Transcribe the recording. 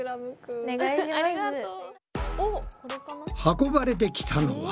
運ばれてきたのは。